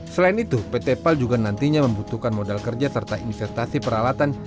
selain itu pt pal juga nantinya membutuhkan modal kerja serta investasi peralatan